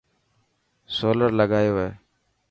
سولر لگايو هي.